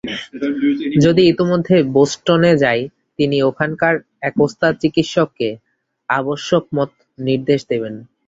যদি ইতোমধ্যে বোষ্টনে যাই, তিনি ওখানকার এক ওস্তাদ চিকিৎসককে আবশ্যকমত নির্দেশ দেবেন।